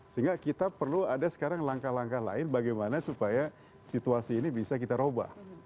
sehingga kita perlu ada sekarang langkah langkah lain bagaimana supaya situasi ini bisa kita ubah